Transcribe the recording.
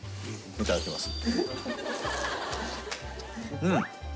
いただきます